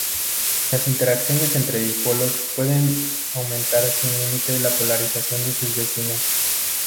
Las interacciones entre dipolos pueden aumentar sin límite la polarización de sus vecinos.